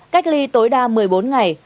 cách ly tối đa một mươi bốn ngày